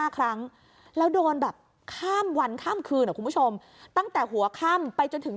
๕ครั้งแล้วโดนแบบข้ามวันข้ามคืนอ่ะคุณผู้ชมตั้งแต่หัวค่ำไปจนถึง